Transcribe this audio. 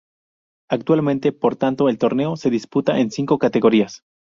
Actualmente, por tanto, el torneo se disputa en cinco categorías.